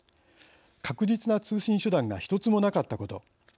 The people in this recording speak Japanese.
確実な通信手段が１つもなかったこと